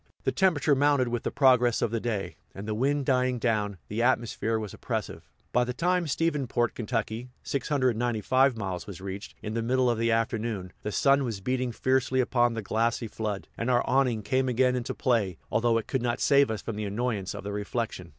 The temperature mounted with the progress of the day; and, the wind dying down, the atmosphere was oppressive. By the time Stephensport, Ky. (695 miles), was reached, in the middle of the afternoon, the sun was beating fiercely upon the glassy flood, and our awning came again into play, although it could not save us from the annoyance of the reflection.